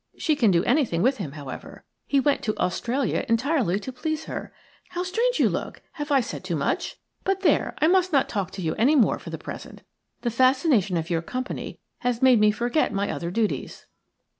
She can do anything with him, however. He went to Australia entirely to please her. How strange you look! Have I said too much? But, there, I must not talk to you any more for the present. The fascination of your company has made me forget my other duties."